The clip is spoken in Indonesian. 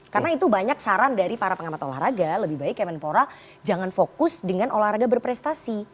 karena itu banyak saran dari para pengamat olahraga lebih baik kemenpora jangan fokus dengan olahraga berprestasi